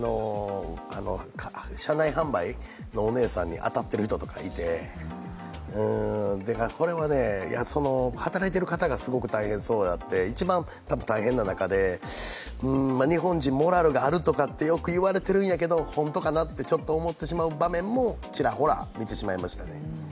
車内販売のお姉さんに当たっている人とかいて、これは働いている方がすごく大変そうで、一番たぶん大変な中で、日本人モラルがあるとかってよく言われているんやけど、ホントかなって思ってしまう場面もちらほらありましたね。